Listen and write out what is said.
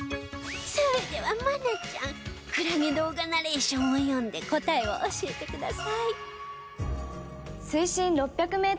それでは愛菜ちゃんクラゲ動画ナレーションを読んで答えを教えてください